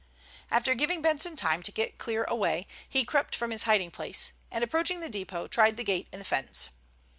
After giving Benson time to get clear away, he crept from his hiding place, and approaching the depot, tried the gate in the fence.